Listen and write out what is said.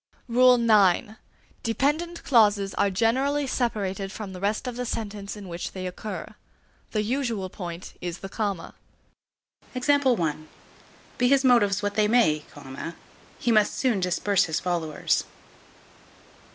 IX. Dependent clauses are generally separated from the rest of the sentence in which they occur. The usual point is the comma. Be his motives what they may, he must soon disperse his followers.